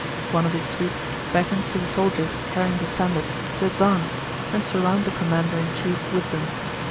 One of his suite beckoned to the soldiers carrying the standards to advance and surround the commander in chief with them.